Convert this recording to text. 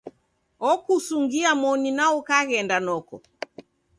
Okusungia moni, na ukaghenda noko.